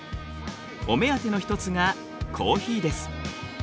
お目当ての一つがコーヒーです。